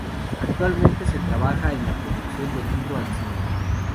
Actualmente se trabaja en la producción del libro al cine.